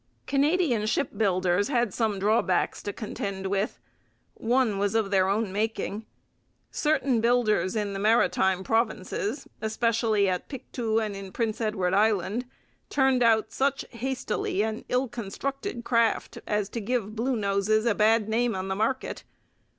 Canadian shipbuilders had some drawbacks to contend with. One was of their own making. Certain builders in the Maritime Provinces, especially at Pictou and in Prince Edward Island, turned out such hastily and ill constructed craft as to give 'Bluenoses' a bad name in the market.